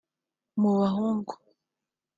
mu bahungu